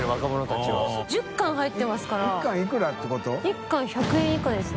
１貫１００円以下ですね。